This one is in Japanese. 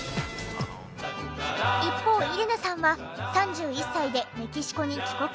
一方イレネさんは３１歳でメキシコに帰国。